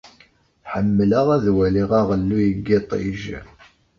Ḥemmleɣ ad waliɣ aɣelluy n yiṭij.